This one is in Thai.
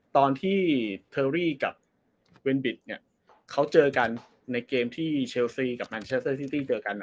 ตอนที่เทอรี่กับเวนบิตเขาเจอกันในเกมที่เชลซีกับแมนเชสเตอร์ซิตี้เจอกัน